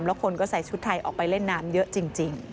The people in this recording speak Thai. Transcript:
แล้วคนก็ใส่ชุดไทยออกไปเล่นน้ำเยอะจริง